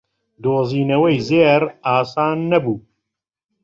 دۆزینەوەی زێڕ ئاسان نەبوو.